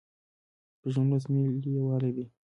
شپږم لوست ملي یووالی دی.